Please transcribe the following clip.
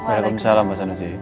waalaikumsalam pak sanusi